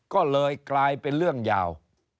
ก็เลยกลายเป็นเรื่องยาว